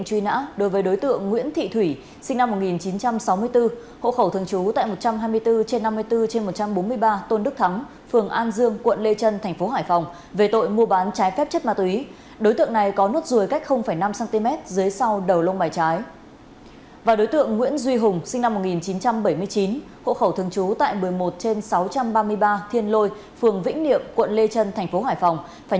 xin chào các bạn